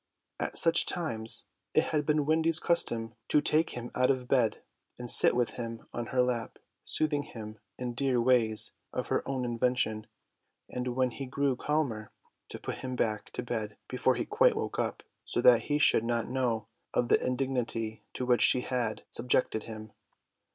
At such times it had been Wendy's custom to take him out of bed and sit with him on her lap, soothing him in dear ways of her own invention, and when he grew calmer to put him back to bed before he quite woke up, so that he should not know of the indignity to which she had subjected him.